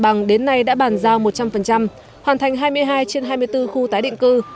bằng đến nay đã bàn giao một trăm linh hoàn thành hai mươi hai trên hai mươi bốn khu tái định cư